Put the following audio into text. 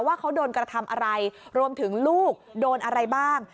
ว่าเขาโดนกระทำอะไรรวมถึงลูกโดนอะไรบ้าง